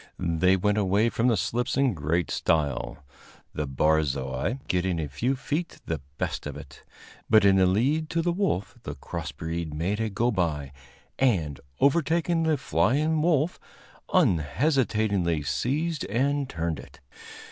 They went away from the slips in great style, the barzoi getting a few feet the best of it; but in the lead up to the wolf the cross breed made a go by, and, overtaking the flying wolf, unhesitatingly seized and turned it.